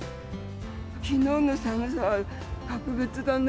きのうの寒さは格別だね。